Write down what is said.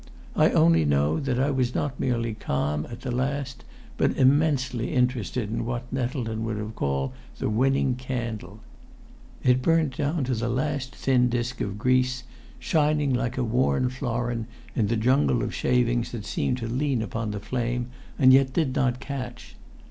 I only know that I was not merely calm at the last, but immensely interested in what Nettleton would have called the winning candle. It burnt down to the last thin disk of grease, shining like a worn florin in the jungle of shavings that seemed to lean upon the flame and yet did not catch.